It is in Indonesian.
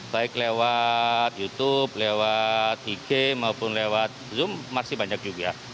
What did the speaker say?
baik lewat youtube lewat ig maupun lewat zoom masih banyak juga